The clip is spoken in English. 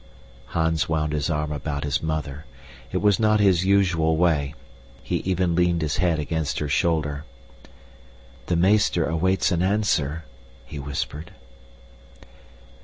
Hans wound his arm about his mother. It was not his usual way. He even leaned his head against her shoulder. "The meester awaits an answer," he whispered.